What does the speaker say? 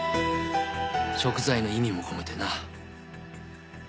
贖罪の意味も込めてな。